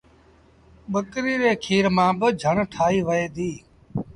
ٻڪريٚ ري کير مآݩ با جھڻ ٺآهيٚ وهي ديٚ۔